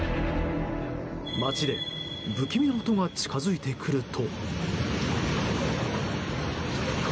街で不気味な音が近づいてくると。